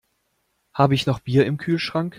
Habe ich noch Bier im Kühlschrank?